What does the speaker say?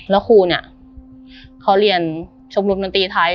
แล้วครูเนี่ยเขาเรียนชมรมดนตรีไทย